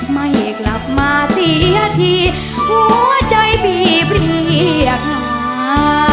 ไม่กลับมาเสียทีหัวใจบีบเรียบหา